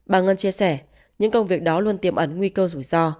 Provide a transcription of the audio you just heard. bà ngân chia sẻ những công việc đó luôn tiềm ẩn nguy cơ rủi ro